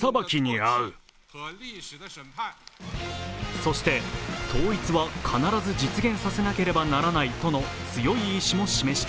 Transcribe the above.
そして、統一は必ず実現させなければならないとの強い意思を示した。